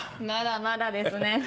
まだまだですね。